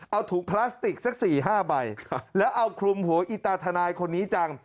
เอาถุงพลาสติกสัก๔๕ใบแล้วเอาคลุมหัวอีตาทนายคนนี้จัง